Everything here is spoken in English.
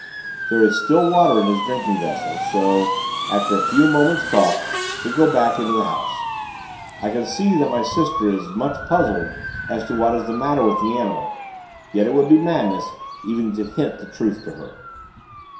There is still water in his drinking vessel, so, after a few moments' talk, we go back to the house. I can see that my sister is much puzzled as to what is the matter with the animal; yet it would be madness, even to hint the truth to her.